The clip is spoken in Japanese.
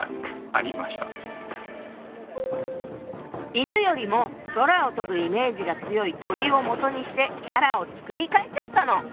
犬よりも空を飛ぶイメージが強い鳥をもとにしてキャラを作り替えちゃったの！